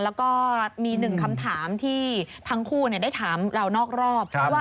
และมีคำถามที่ทั้งคู่ได้ถามเรานอกรอบ